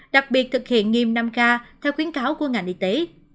đặc biệt thực hiện nghiêm năm k theo khuyến cáo của ngành y tế